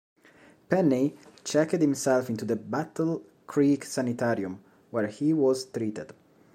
Penney checked himself into the Battle Creek Sanitarium, where he was treated.